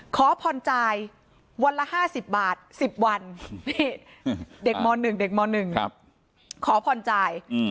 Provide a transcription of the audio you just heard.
ขอผ่อนจ่ายวันละ๕๐บาท๑๐วันเด็กหมอนึงขอผ่อนจ่าย